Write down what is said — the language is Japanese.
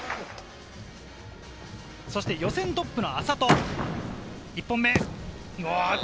そして予選トップの安里、１本目。